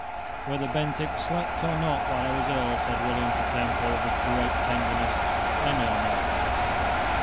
"Whether Bentinck slept or not while I was ill," said William to Temple, with great tenderness, "I know not.